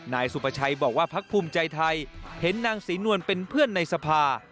นายสุประชัยบอกว่าพักภูมิใจไทยเห็นนางศรีนวลเป็นเพื่อนในสภา